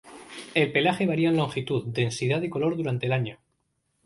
El pelaje varía en longitud, densidad y color durante el año.